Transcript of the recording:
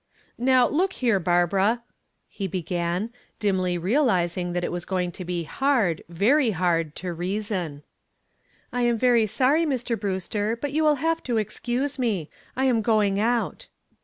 "Now, look here, Barbara " he began, dimly realizing that it was going to be hard, very hard, to reason. "I am very sorry, Mr. Brewster, but you will have to excuse me. I am going out."